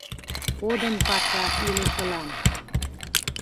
Кодын паша илышылан...